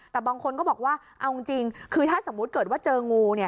แต่บางคนก็บอกว่าเอาจริงคือถ้าสมมุติเกิดว่าเจองู